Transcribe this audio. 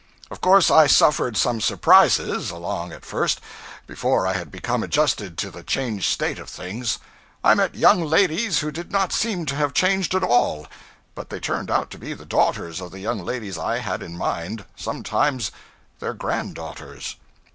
Of course I suffered some surprises, along at first, before I had become adjusted to the changed state of things. I met young ladies who did not seem to have changed at all; but they turned out to be the daughters of the young ladies I had in mind sometimes their grand daughters.